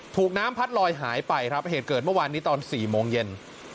ถูกน้ำพัดลอยหายไปครับเหตุเกิดเมื่อวานนี้ตอน๔โมงเย็น